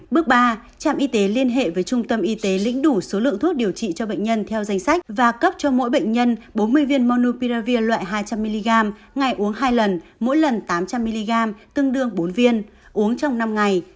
bước ba trạm y tế liên hệ với trung tâm y tế lĩnh đủ số lượng thuốc điều trị cho bệnh nhân theo danh sách và cấp cho mỗi bệnh nhân bốn mươi viên monupiravir loại hai trăm linh mg ngày uống hai lần mỗi lần tám trăm linh mg tương đương bốn viên uống trong năm ngày